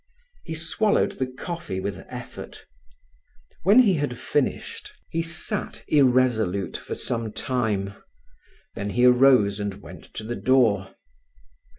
He swallowed the coffee with effort. When he had finished he sat irresolute for some time; then he arose and went to the door.